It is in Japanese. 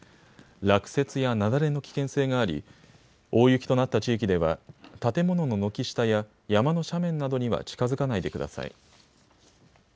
落雪や雪崩の危険性があり大雪となった地域では建物の軒下や山の斜面などには近づかないでください。